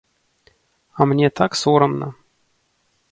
А мне так сорамна.